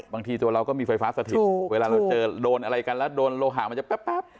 บางทีตัวเราก็มีไฟฟ้าสถิตเวลาเราเจอโดนอะไรกันแล้วโดนโลหะมันจะแป๊บ